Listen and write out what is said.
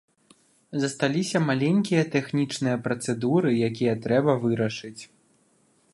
Засталіся маленькія тэхнічныя працэдуры, якія трэба вырашыць.